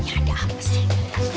ini ada apa sih